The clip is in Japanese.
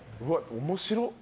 面白っ。